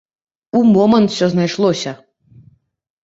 У момант усё знайшлося!